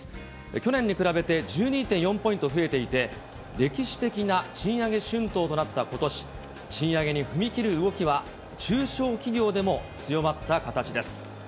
去年に比べて１２．４ポイント増えていて、歴史的な賃上げ春闘となったことし、賃上げに踏み切る動きは中小企業でも強まった形です。